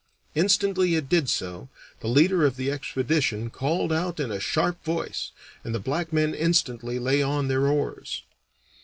Instantly it did so the leader of the expedition called out in a sharp voice, and the black men instantly lay on their oars.